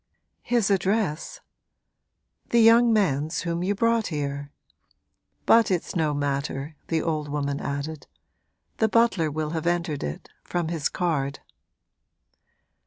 'His address?' 'The young man's whom you brought here. But it's no matter,' the old woman added; 'the butler will have entered it from his card.'